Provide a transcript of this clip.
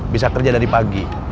bisa kerja dari pagi